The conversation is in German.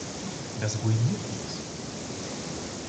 Das ruiniert uns.